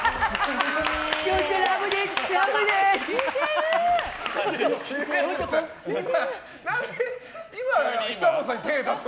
ラブです！